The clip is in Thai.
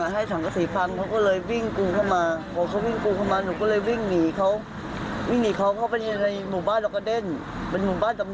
หนูเห็นเขากลับบ้านกันหมดแล้วหนูก็เลยเดินกลับบ้านมา